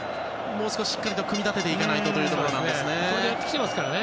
もう少ししっかり組み立てていかないとというところですね。